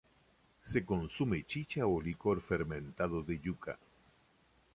Se consume chicha o licor fermentado de yuca.